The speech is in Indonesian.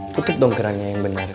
tutup dong gerannya yang bener